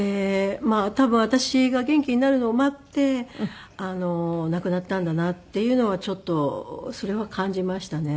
多分私が元気になるのを待って亡くなったんだなっていうのはちょっとそれは感じましたね。